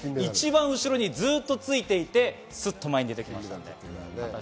今回の５０００ｍ、一番後ろにずっとついていて、スッと前に出てきました。